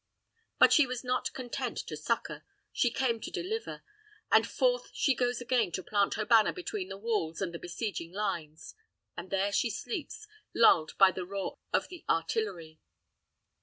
But she was not content to succor; she came to deliver; and forth she goes again to plant her banner between the walls and the besieging lines, and there she sleeps, lulled by the roar of the artillery.